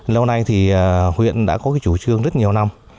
lâu nay thì huyện đã có cái chủ trương rất nhiều năm